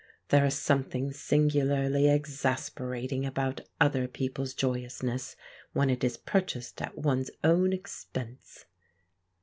There is something singularly exasperating about other people's joyousness, when it is purchased at one's own expense!